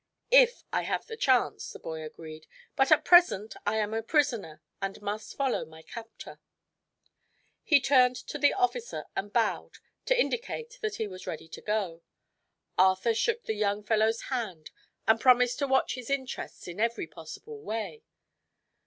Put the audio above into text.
"If I have the chance," the boy agreed. "But at present I am a prisoner and must follow my captor." He turned to the officer and bowed to indicate that he was ready to go. Arthur shook the young fellow's hand and promised to watch his interests in every possible way.